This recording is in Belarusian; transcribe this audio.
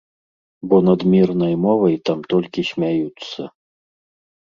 Бо над мірнай мовай там толькі смяюцца.